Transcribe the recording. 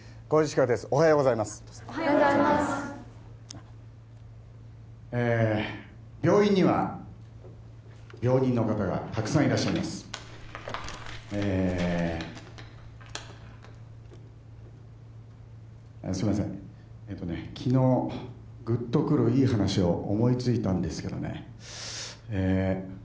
おはようございますおはようございますえ病院には病人の方がたくさんいらっしゃいますえすいませんえとね昨日グッとくるいい話を思いついたんですけどねえ